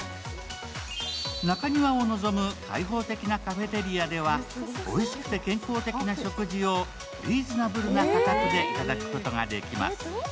中庭を望む開放的なカフェテリアでは、おいしくて健康的な食事をリーズナブルな価格で頂くことができます。